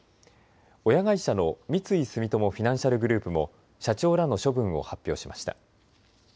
親会社の三井住友フィナンシャルグループも社長らの処分を発表しました。